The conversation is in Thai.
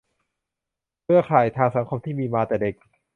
เครือข่ายทางสังคมที่มีมาแต่เด็ก